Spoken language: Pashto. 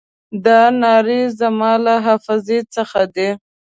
دا نارې زما له حافظې څخه دي.